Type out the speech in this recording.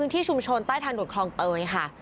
ที่ชุมชนใต้ทางด่วนคลองเตยค่ะ